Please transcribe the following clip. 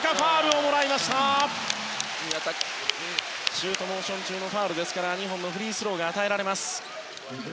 シュートモーション中のファウルですから２本のフリースローが与えられます。